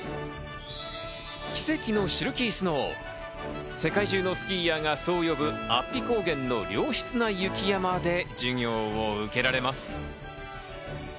奇跡のシルキースノー、世界中のスキーヤーがそう呼ぶ安比高原の良質な雪山で授業を受けられます。